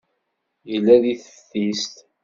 Yella deg teftist.